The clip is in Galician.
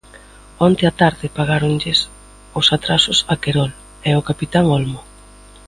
Onte á tarde pagáronlles os atrasos a Querol e ao capitán Olmo.